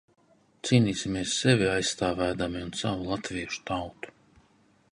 Cīnīsimies sevi aizstāvēdami un savu latviešu tautu.